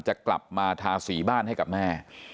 จะกลับมาทาสีบ้านให้กับแม่